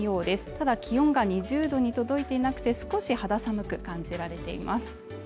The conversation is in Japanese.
ただ気温が２０度に届いていなくて少し肌寒く感じられています。